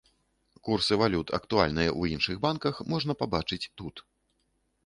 Курсы валют, актуальныя ў іншых банках можна пабачыць тут.